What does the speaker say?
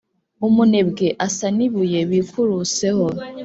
Umunebwe asa n’ibuye bikuruseho,